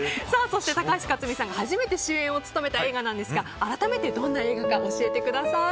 そして、高橋克実さんが初めて主演を務めた映画ですが改めてどんな映画か教えてください。